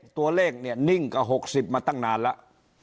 ตัวเลขเนี่ยนิ่งกว่า๖๐มาตั้งนานแล้ว